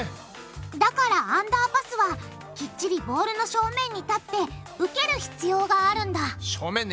だからアンダーパスはきっちりボールの正面に立って受ける必要があるんだ正面ね。